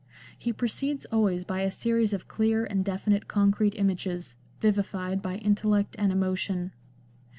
He proceeds always by a series of clear and definite concrete images, vivified by intellect and emotion.